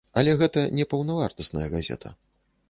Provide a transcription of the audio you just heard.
Але гэта не паўнавартасная газета.